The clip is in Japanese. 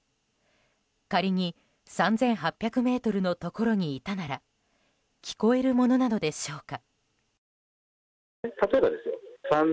仮に３８００ｍのところにいたなら聞こえるものなのでしょうか。